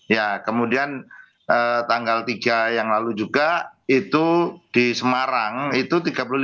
ya kemudian tanggal tiga yang lalu juga itu di semarang itu tiga puluh lima